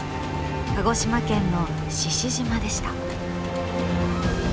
鹿児島県の獅子島でした。